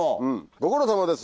ご苦労さまです。